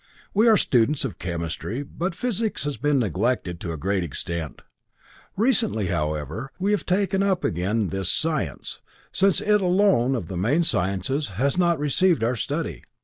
We are students of chemistry, but physics has been neglected to a great extent. Recently, however, we have again taken up this science, since it alone of the main sciences had not received our study.